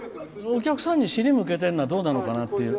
お客さんに尻向けてんのはどうなのかなっていう。